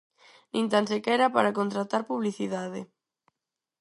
Nin tan sequera para contratar publicidade.